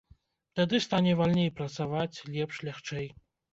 Тады стане вальней працаваць, лепш, лягчэй.